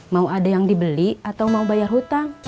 mau ada yang dibeli atau mau bayar hutang